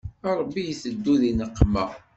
Ṛebbi iteddu di nneqma.